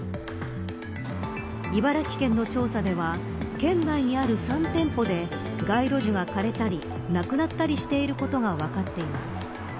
茨城県の調査では県内にある３店舗で街路樹が枯れたりなくなったりしてることが分かっています。